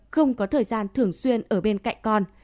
không có thời gian thường xuyên ở bên cạnh con